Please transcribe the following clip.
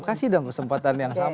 kasih dong kesempatan yang sama